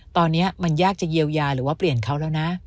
ตอนนี้มันยากจะเยียวยาหรือว่าเปลี่ยนเขาแล้วนะ